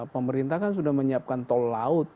pemerintah kan sudah menyiapkan tol laut